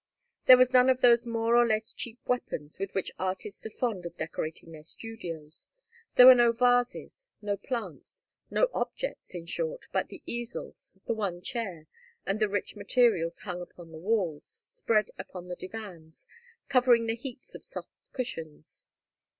There were none of those more or less cheap weapons with which artists are fond of decorating their studios, there were no vases, no plants, no objects, in short, but the easels, the one chair, and the rich materials hung upon the walls, spread upon the divans, covering the heaps of soft cushions.